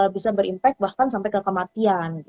bisa berimpak bahkan sampai ke kematian